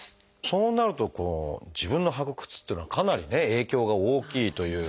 そうなると自分の履く靴っていうのはかなりね影響が大きいという。